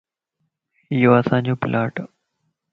يو اسانجو پلاٽ ا